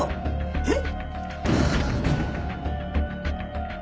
えっ？